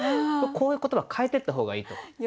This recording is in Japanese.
こういう言葉変えていった方がいいと思う。